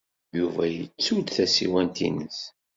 Yuba yettu-d tasiwant-nnes.